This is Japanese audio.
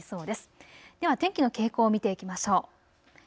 では天気の傾向を見ていきましょう。